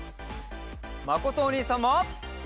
まことおにいさんも！